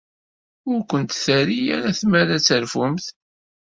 Ur kent-terri ara tmara ad terfumt.